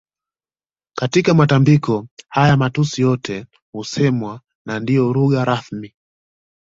Katika matambiko haya matusi yote husemwa na ndio lugha rasmi